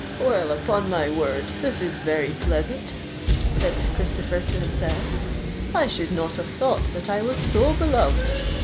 "Well, upon my word, this is very pleasant," said Sir Christopher to himself: "I should not have thought that I was so beloved!